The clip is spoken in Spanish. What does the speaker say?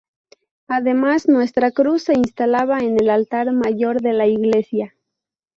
Además, nuestra Cruz se instalaba en el altar mayor de la Iglesia.